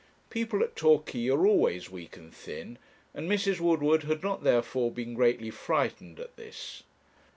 People at Torquay are always weak and thin, and Mrs. Woodward had not, therefore, been greatly frightened at this.